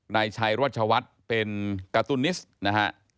นายชัยรัชวัฒน์เป็นการ์ตูนิสนะฮะ